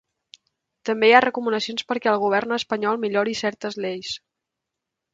També hi ha recomanacions perquè el govern espanyol millori certes lleis.